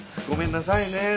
ごめんなさいね。